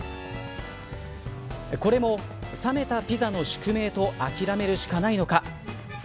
これも冷めたピザの宿命と諦めるしかないのか。